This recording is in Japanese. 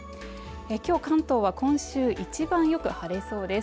今日関東は今週一番よく晴れそうです。